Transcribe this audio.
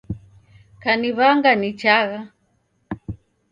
Kaniw'anga nichagha